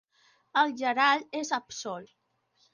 El Gerald és absolt.